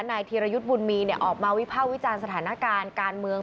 ธีรยุทธ์บุญมีออกมาวิภาควิจารณ์สถานการณ์การเมือง